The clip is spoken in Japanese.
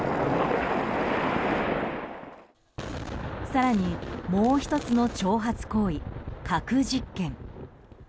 更にもう１つの挑発行為核実験。